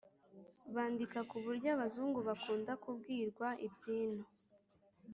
bandika ku buryo abazungu bakunda kubwirwa iby’ino